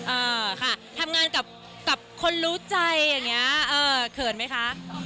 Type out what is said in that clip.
เออค่ะทำงานกับคนรู้ใจอย่างนี้เออเขินไหมคะ